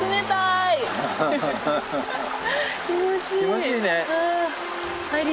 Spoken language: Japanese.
気持ちいいね。